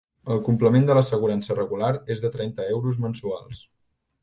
El complement de l'assegurança regular és de trenta euros mensuals.